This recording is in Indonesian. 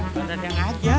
bukan ada yang ajan